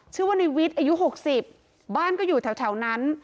ชื่อว่าในวิทย์อายุ๖๐บ้านก็อยู่แถวนั้น